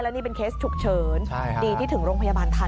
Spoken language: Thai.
นี่เป็นเคสฉุกเฉินดีที่ถึงโรงพยาบาลทัน